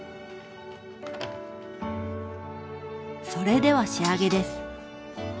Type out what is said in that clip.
それでは仕上げです。